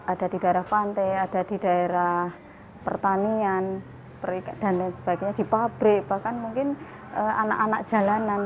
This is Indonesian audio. ada di daerah pantai ada di daerah pertanian dan lain sebagainya di pabrik bahkan mungkin anak anak jalanan